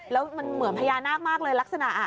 แล้วมันเหมือนพญานาคมากเลยลักษณะ